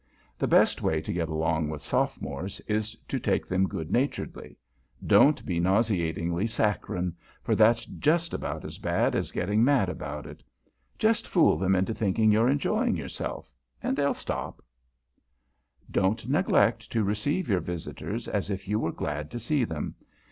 The best way to get along with Sophomores is to take them good naturedly. Don't be nauseatingly saccharine, for that's just about as bad as getting mad about it. Just fool them into thinking you're enjoying yourself, and they'll stop. [Sidenote: A TRICK ABOUT RECEIVING VISITORS] Don't neglect to receive your visitors as if you were glad to see them.